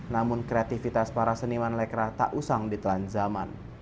namun kreativitas para seniman lekra tak usang ditelan zaman